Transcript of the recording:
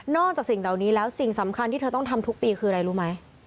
จากสิ่งเหล่านี้แล้วสิ่งสำคัญที่เธอต้องทำทุกปีคืออะไรรู้ไหม